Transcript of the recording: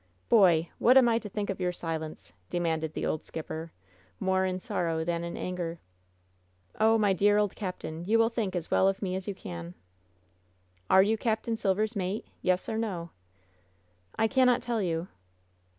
"Boy! what am I to think of your silence?" demanded the old skipper, more in sorrow than in anger. "Oh, my dear old captain, you will think as well of me as yo¥ can." "Are you Capt. Silver's mate? Yes or no?" "I cannot tell you."